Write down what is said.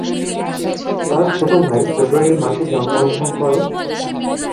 তার ছোট ভাই ফেব্রুয়ারি মাসে জন্মগ্রহণ করে।